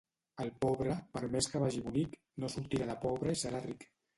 El pobre, per més que vagi bonic, no sortirà de pobre i serà ric.